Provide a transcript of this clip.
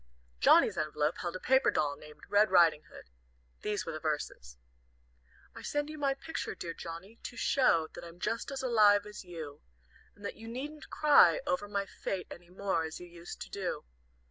Johnnie's envelope held a paper doll named "Red Riding Hood." These were the verses: "I send you my picture, dear Johnnie, to show That I'm just as alive as you, And that you needn't cry over my fate Any more, as you used to do.